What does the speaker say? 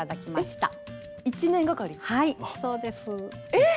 えっ⁉